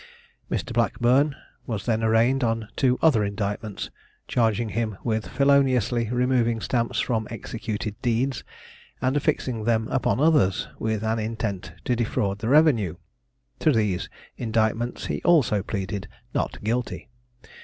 Mr. Blackburn was then arraigned on two other indictments, charging him with feloniously removing stamps from executed deeds, and affixing them upon others, with an intent to defraud the revenue; to these indictments he also pleaded Not guilty.